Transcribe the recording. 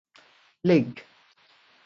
Lig.